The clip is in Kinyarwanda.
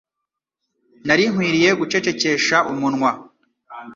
Nari nkwiye gucecekesha umunwa.